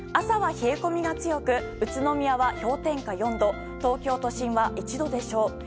朝は冷え込みが強く宇都宮は氷点下４度東京都心は１度でしょう。